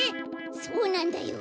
そうなんだよ。